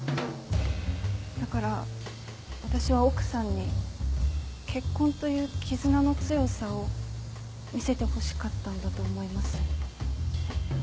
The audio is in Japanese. だから私は奥さんに結婚という絆の強さを見せてほしかったんだと思います。